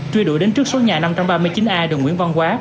truy đuổi đến trước số nhà năm trăm ba mươi chín a đường nguyễn văn quá